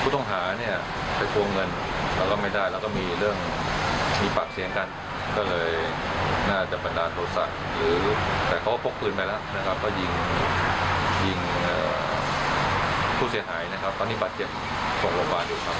ตอนนี้บัถเจ็บเป็นอุปกรณ์ครับ